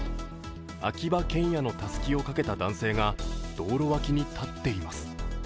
秋葉けんやのたすきをかけた男性が道路脇に立っています。